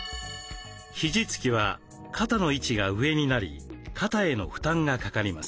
肘つきは肩の位置が上になり肩への負担がかかります。